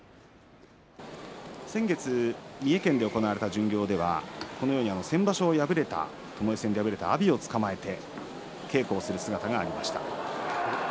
先月、三重県で行われた巡業では先場所ともえ戦で破れた阿炎をつかまえて稽古する姿がありました。